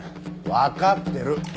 わかってる！